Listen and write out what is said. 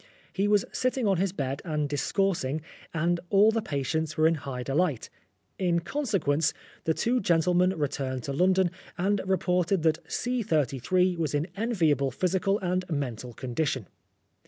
He was sitting on his bed and discoursing, and all the patients were in high delight. In consequence, the two gentlemen returned to London, and reported that .33 was in enviable physical and mental condition.